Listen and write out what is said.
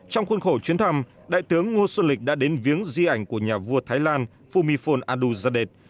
trong khuôn khổ chuyến thăm đại tướng ngô xuân lịch đã đến viếng di ảnh của nhà vua thái lan phu my phuong adu zadet